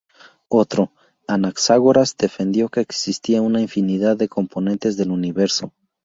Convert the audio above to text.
Otro, Anaxágoras, defendió que existía una infinidad de componentes del universo.